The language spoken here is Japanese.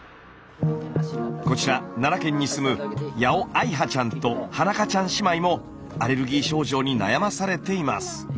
こちら奈良県に住む矢尾愛葉ちゃんと花香ちゃん姉妹もアレルギー症状に悩まされています。